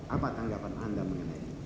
apa tanggapan anda mengenai